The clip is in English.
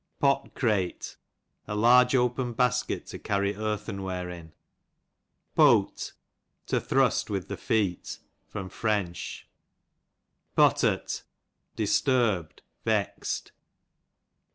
Pot crate, a large open basket to carry earthen^ware in. Pote, to thrust with the feet. Pottert, disturbed^ vexed.